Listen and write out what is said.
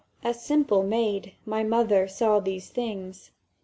. Ay, as simple maid, My mother saw these things!